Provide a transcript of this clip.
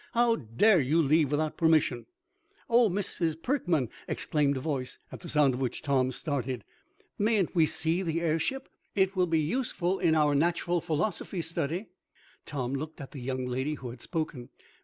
How dare you leave without permission?" "Oh, Miss Perkman!" exclaimed a voice, at the sound of which Tom started. "Mayn't we see the airship? It will be useful in our natural philosophy study!" Tom looked at the young lady who had spoken.